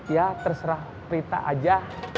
ya terserah prita aja